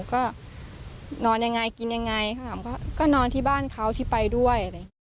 ก็นอนยังไงกินยังไงก็นอนที่บ้านเขาที่ไปด้วย